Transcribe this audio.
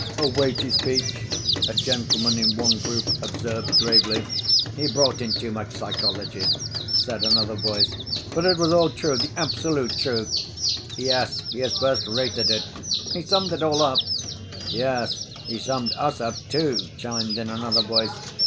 "A weighty speech," a gentleman in one group observed gravely. "He brought in too much psychology," said another voice. "But it was all true, the absolute truth!" "Yes, he is first rate at it." "He summed it all up." "Yes, he summed us up, too," chimed in another voice.